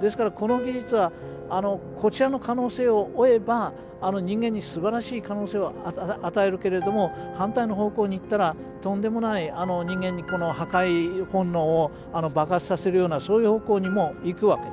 ですからこの技術はこちらの可能性を追えば人間にすばらしい可能性を与えるけれども反対の方向に行ったらとんでもない人間に破壊本能を爆発させるようなそういう方向にも行くわけです。